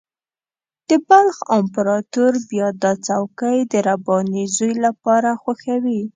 د بلخ امپراطور بیا دا څوکۍ د رباني زوی لپاره خوښوي.